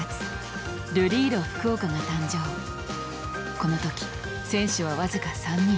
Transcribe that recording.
この時選手は僅か３人。